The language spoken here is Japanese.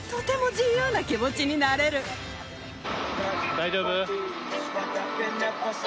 大丈夫？